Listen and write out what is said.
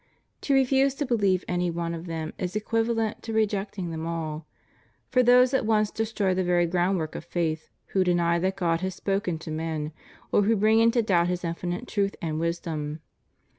To refuse to believe any one of them is equivalent to rejecting them all; for those at once destroy the very groundwork of faith who deny that God has spoken to men, or who bring into doubt His infinite truth and wisdom.